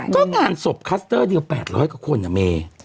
ก็งานศพคัสเตอร์เดียว๘๐๐กว่าคนอะเม